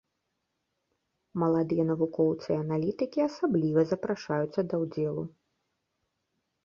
Маладыя навукоўцы і аналітыкі асабліва запрашаюцца да ўдзелу.